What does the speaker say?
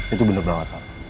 itu bener banget pak